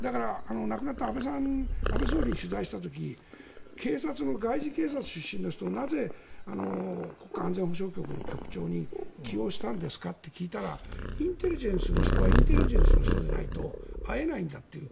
だから、亡くなった安倍総理に取材した時警察の外事警察出身の人をなぜ国家安全保障局の局長に起用したんですかって聞いたらインテリジェンスの人はインテリジェンスの人でないと会えないんだっていう。